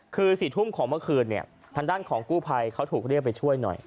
คือ๔ทุ่มของเมื่อคืนเนี่ยทางด้านของกู้ภัยเขาถูกเรียกไปช่วยหน่อย